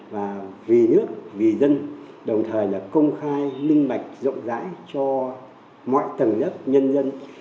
và vì nước vì dân đồng thời công khai minh mạch rộng rãi cho mọi tầng nhất nhân dân